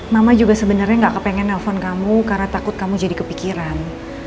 mama juga sebenarnya gak kepengen nelfon kamu karena takut kamu jadi kepikiran